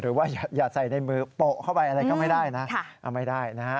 หรือว่าอย่าใส่ในมือโปะเข้าไปอะไรก็ไม่ได้นะ